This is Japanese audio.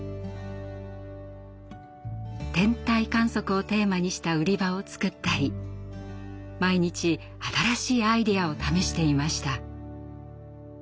天体観測をテーマにした売り場を作ったり毎日新しいアイデアを試していました。